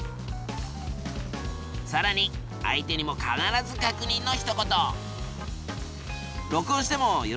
さらに相手にも必ず確認のひと言。